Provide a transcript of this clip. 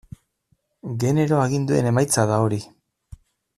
Genero aginduen emaitza da hori.